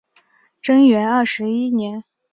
贞元二十一年